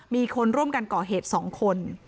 มีคนร่วมกันก่อเหตุ๒คน